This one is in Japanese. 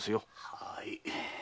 はい。